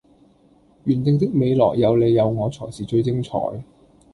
原定的未來有你有我才是最精彩